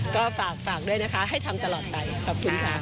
ก็ฝากด้วยนะคะให้ทำตลอดไปขอบคุณค่ะ